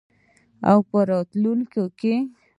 او په راتلونکي کې.